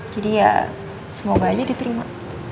jadi ya semoga aja diterima